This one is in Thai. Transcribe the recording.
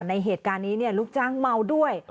ในเหตุการณ์นี้ลูกจ้างเมาด้วย